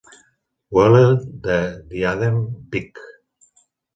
Woolley de Diadem Peak.